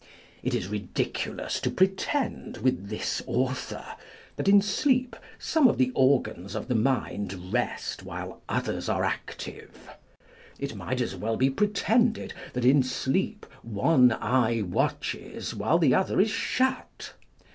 It is ridiculous to pretend with this author, that in sleep On Dreams. 2 o some of the organs of the mind rest, while others are active : it might as well be pretended that in sleep one eye watches while the other is shut.